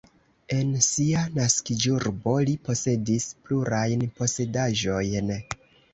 En sia naskiĝurbo li posedis plurajn posedaĵojn.